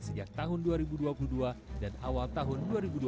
sejak tahun dua ribu dua puluh dua dan awal tahun dua ribu dua puluh